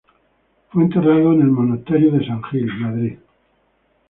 Fue enterrado en el monasterio de San Gil, Madrid.